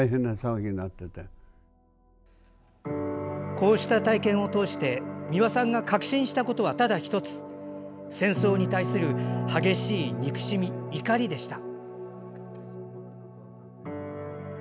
こうした体験を通して美輪さんが確信したことはただ１つ戦争に対する激しい憎しみ、怒りでした。